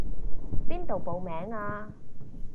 邊度報名啊？